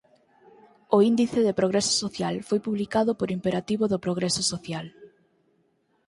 O Índice de Progreso Social foi publicado por imperativo do progreso social.